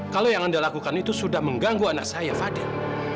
kalau yang anda lakukan itu sudah mengganggu anak saya fadil